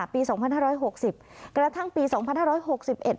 ปีสองพันห้าร้อยหกสิบกระทั่งปีสองพันห้าร้อยหกสิบเอ็ด